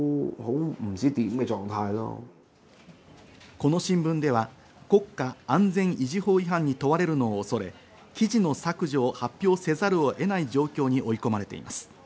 この新聞では、国家安全維持法違反に問われるのを恐れ、記事の削除を発表せざるを得ない状況に追い込まれています。